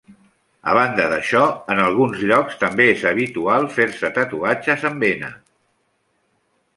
A banda d'això, en alguns llocs també és habitual fer-se tatuatges amb henna.